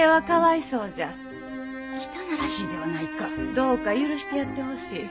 どうか許してやってほしい。